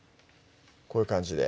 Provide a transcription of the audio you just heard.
こういう感じで？